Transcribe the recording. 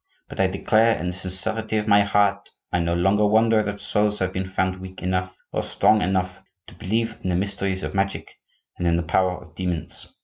But I declare, in the sincerity of my heart, I no longer wonder that souls have been found weak enough, or strong enough, to believe in the mysteries of magic and in the power of demons.